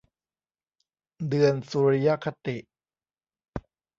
เดือนสุริยคติ